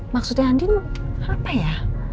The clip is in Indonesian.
maksudnya andin apa ya